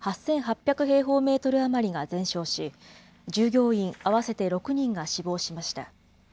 平方メートル余りが全焼し、従業員合わせて６人が死亡しました。